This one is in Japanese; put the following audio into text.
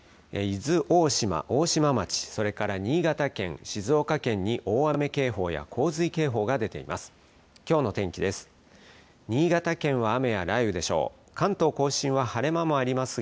伊豆大島、大島町、それから新潟県、静岡県に大雨警報や洪水警報が出ています。